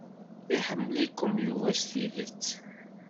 Iḥemmel-ikem Yuba s tidet.